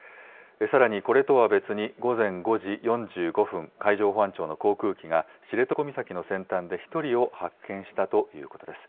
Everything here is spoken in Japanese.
さらに、これとは別に、午前５時４５分、海上保安庁の航空機が、知床岬の先端で１人を発見したということです。